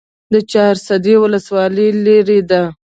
د چهارسده ولسوالۍ لیرې ده